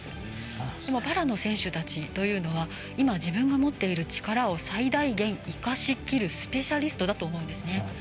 でもパラの選手たちというのは今、自分が持っている力を最大限、生かしきるスペシャリストだと思うんですね。